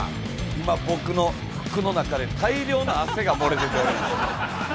今僕の服の中で大量の汗が漏れ出ております。